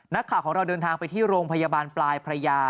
นักข่าวของเราเดินทางไปที่โรงพยาบาลปลายพระยา